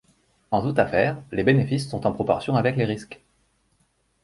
En toute affaire, les bénéfices sont en proportion avec les risques!